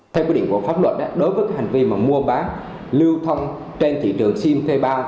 theo quy định của pháp luật đối với hành vi mua bán lưu thông trên thị trường sim thuê bao